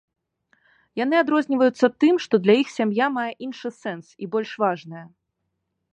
Яны адрозніваюцца тым, што для іх сям'я мае іншы сэнс і больш важная.